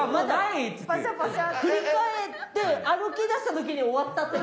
振り返って歩きだした時に終わった。